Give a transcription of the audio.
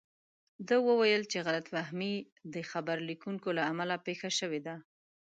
ده وویل چې غلط فهمي د خبر لیکونکو له امله پېښه شوې ده.